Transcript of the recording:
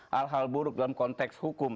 hal hal buruk dalam konteks hukum